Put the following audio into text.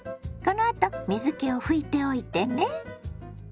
このあと水けを拭いておいてね。